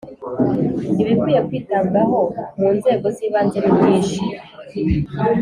Ibikwiye kwitabwaho mu nzego z’ ibanze nibyishi.